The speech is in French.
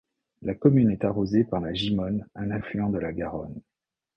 La commune est arrosée par la Gimone un affluent de la Garonne.